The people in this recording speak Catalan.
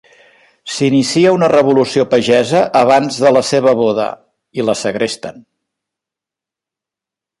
S'inicia una revolució pagesa abans de la seva boda i la segresten.